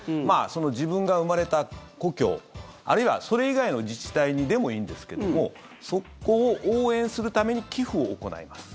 自分が生まれた故郷あるいはそれ以外の自治体にでもいいんですけどもそこを応援するために寄付を行います。